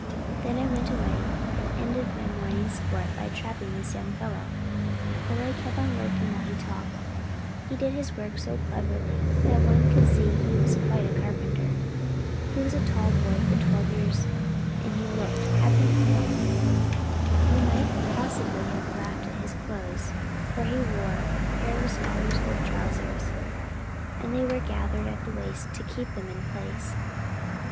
Then I went away, and ended my morning's sport by trapping this young fellow." Ole kept on working while he talked. He did his work so cleverly that one could see he was quite a carpenter. He was a tall boy for twelve years, and looked healthy and happy. You might possibly have laughed at his clothes, for he wore a pair of his father's old trousers, and they were gathered in at the waist to keep them in place.